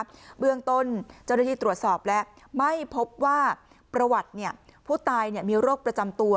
เบื้องต้นเจ้าหน้าที่ตรวจสอบแล้วไม่พบว่าประวัติผู้ตายมีโรคประจำตัว